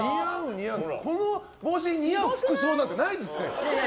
この帽子に合う服装なんてないですよ！